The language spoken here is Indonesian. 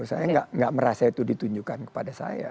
saya nggak merasa itu ditunjukkan kepada saya